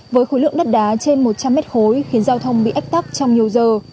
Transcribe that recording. với khối lượng đất đá trên một trăm linh mét khối khiến giao thông bị ách tắc trong nhiều giờ